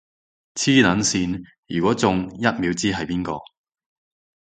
磁能線，如果中，一秒知道係邊個